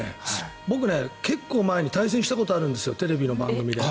僕、結構前に対戦したことがあるんです。テレビの番組で。